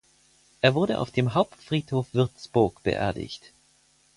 Er wurde auf dem Hauptfriedhof Würzburg beerdigt.